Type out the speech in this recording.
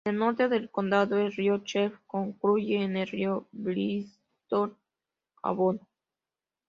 En el norte del condado, el río Chew confluye con el Brístol Avon.